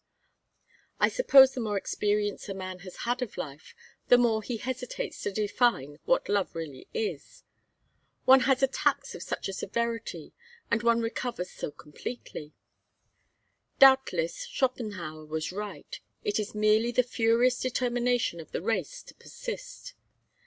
I suppose the more experience a man has had of life the more he hesitates to define what love really is. One has attacks of such a severity and one recovers so completely! Doubtless Schopenhauer was right: it is merely the furious determination of the race to persist.